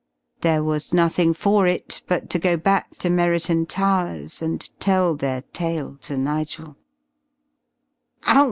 There was nothing for it but to go back to Merriton Towers and tell their tale to Nigel.